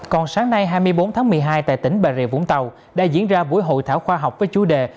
còn sáng nay hai mươi bốn tháng một mươi hai tại tỉnh bà rịa vũng tàu đã diễn ra buổi hội thảo khoa học với chủ đề